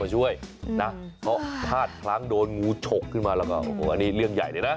เพราะถ้าครั้งโดนหมูฉกขึ้นมาแล้วก็อันนี้เรื่องใหญ่เลยนะ